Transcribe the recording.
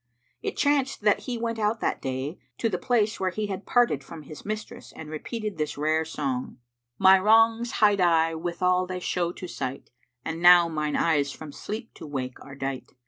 It chanced that he went out that day to the place where he had parted from his mistress and repeated this rare song, "My wrongs hide I, withal they show to sight; * And now mine eyes from sleep to wake are dight.